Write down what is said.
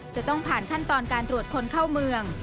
จะต้องผ่านขั้นตอนการตรวจคนเข้าเมือง